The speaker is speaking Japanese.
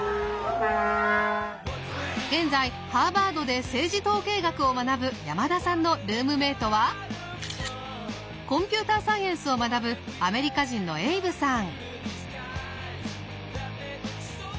現在ハーバードで政治統計学を学ぶ山田さんのルームメートはコンピューターサイエンスを学ぶアメリカ人のエイブさん。